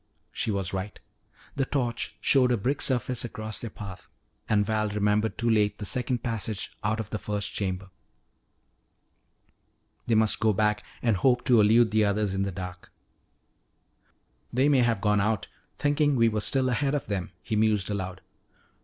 She was right. The torch showed a brick surface across their path, and Val remembered too late the second passage out of the first chamber. They must go back and hope to elude the others in the dark. "They may have all gone out, thinking we were still ahead of them," he mused aloud.